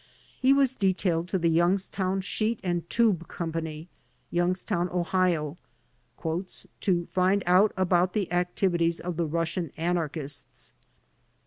He was detailed to The Youngs town Sheet and Tube Company, Youngstown, Ohio, "to find out about the activities of the Russian anarchists."